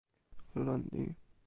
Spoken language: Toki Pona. o lon ni!